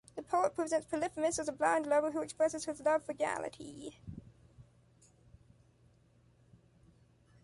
The poet presents Polyphemus as a blind lover who expresses his love for Galatea.